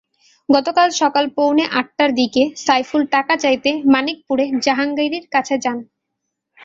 গতকাল সকাল পৌনে আটটার দিকে সাইফুল টাকা চাইতে মানিকপুরে জাহাঙ্গীরের কাছে যান।